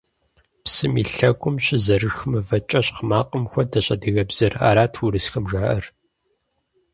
Псым и лъэгум щызэрышх мывэ кӏэщхъ макъым хуэдэщ адыгэбзэр – арат урысхэм жаӏэр.